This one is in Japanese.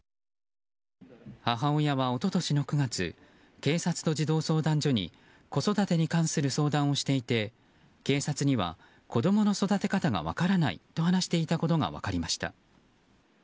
母親は一昨年の９月警察と児童相談所に子育てに関する相談をしていて警察には子供の育て方が分からないと話していたことが分かりました。